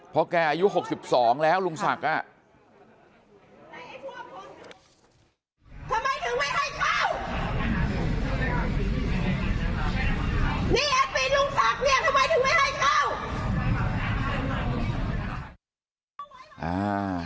เพราะแกอายุ๖๒แล้วลุงศักดิ์อ่ะ